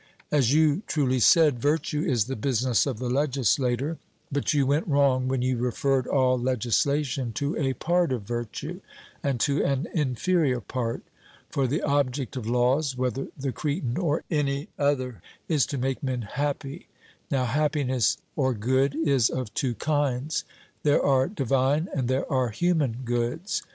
As you truly said, virtue is the business of the legislator; but you went wrong when you referred all legislation to a part of virtue, and to an inferior part. For the object of laws, whether the Cretan or any other, is to make men happy. Now happiness or good is of two kinds there are divine and there are human goods.